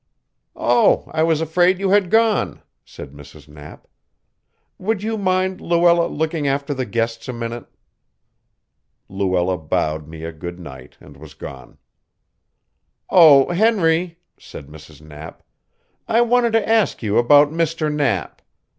"Oh, I was afraid you had gone," said Mrs. Knapp. "Would you mind, Luella, looking after the guests a minute?" Luella bowed me a good night and was gone. "Oh, Henry," said Mrs. Knapp, "I wanted to ask you about Mr. Knapp.